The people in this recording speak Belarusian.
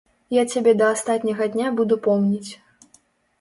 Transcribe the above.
Я цябе да астатняга дня буду помніць.